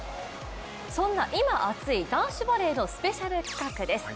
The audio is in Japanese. そんな今熱い男子バレーのスペシャル企画です。